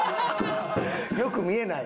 良く見えない？